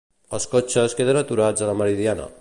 Els cotxes queden aturats a la Meridiana.